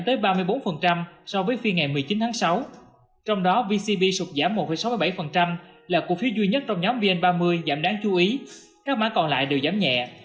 trong đó vcb sụt giảm một sáu mươi bảy là cổ phiếu duy nhất trong nhóm vn ba mươi giảm đáng chú ý các mã còn lại đều giảm nhẹ